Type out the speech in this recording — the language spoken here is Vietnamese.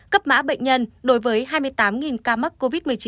cấp mã bệnh nhân đối với hai mươi tám ca mắc covid một mươi chín